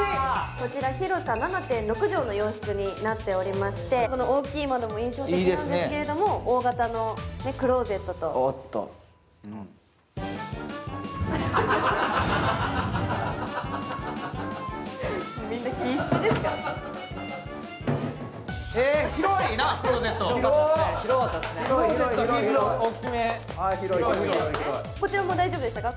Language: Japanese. こちら広さ７．６畳の洋室になっておりまして、この大きい窓も印象的なんですけれども大型のクローゼットとこちらも大丈夫でしたか？